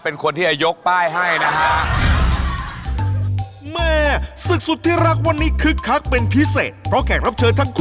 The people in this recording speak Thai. เป็นคนที่จะยกป้ายให้นะฮะ